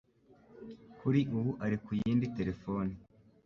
Kuri ubu ari ku yindi telefone